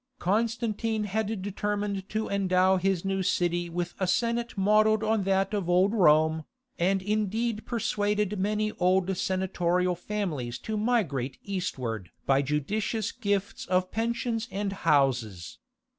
Constantine had determined to endow his new city with a senate modelled on that of Old Rome, and had indeed persuaded many old senatorial families to migrate eastward by judicious gifts of pensions and houses.